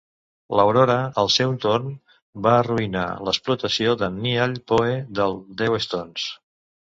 L'Aurora, al seu torn, va arruïnar l'explotació d'en Niall Poe del Déu Stones.